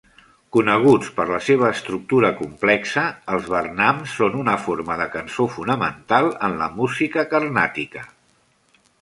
Coneguts per la seva estructura complexa, els varnams són una forma de cançó fonamental en la música carnàtica.